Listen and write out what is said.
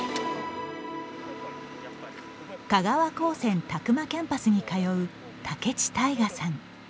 香川高専詫間キャンパスに通う武智大河さん。